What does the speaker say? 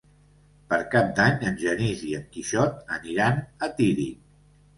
Per Cap d'Any en Genís i en Quixot aniran a Tírig.